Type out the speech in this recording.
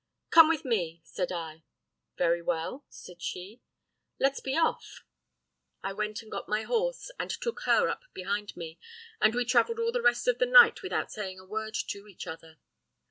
"'Come with me,' said I. "'Very well,' said she, 'let's be off.' "I went and got my horse, and took her up behind me, and we travelled all the rest of the night without saying a word to each other.